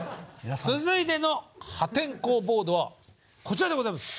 続いての破天荒ボードはこちらでございます。